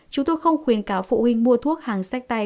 chúng tôi không khuyến cáo phụ huynh mua thuốc hàng sách tay